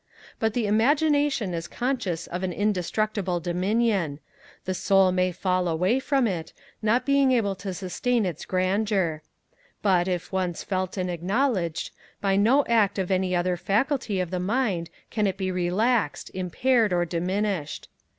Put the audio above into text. But the Imagination is conscious of an indestructible dominion; the Soul may fall away from it, not being able to sustain its grandeur; but, if once felt and acknowledged, by no act of any other faculty of the mind can it be relaxed, impaired, or diminished.